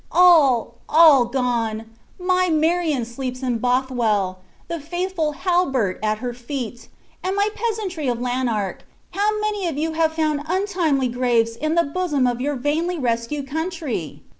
All, all gone! My Marion sleeps in Bothwell: the faithful Halbert at her feet. And my peasantry of Lanark, how many of you have found untimely graves in the bosom of your vainly rescued country!"